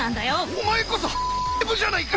お前こそじゃないか！